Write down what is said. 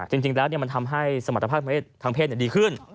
จริงแล้วมันทำให้สมรรถภาพทางเพศดีขึ้น